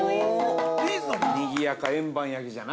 ◆にぎやか円盤焼きじゃな。